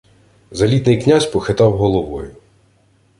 Залітний князь похитав головою: